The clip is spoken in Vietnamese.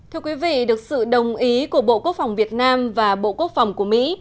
thưa quý vị được sự đồng ý của bộ quốc phòng việt nam và bộ quốc phòng của mỹ